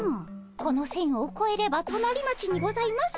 この線をこえれば隣町にございます。